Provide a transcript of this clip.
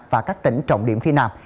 và các tỉnh trọng điểm phía nam